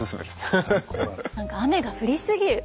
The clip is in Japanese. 何か「雨が降りすぎる」